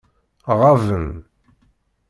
Ɣaben.